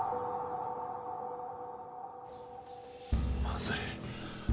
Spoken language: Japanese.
まずい。